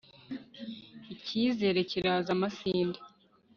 icyizere cyiraza amasinde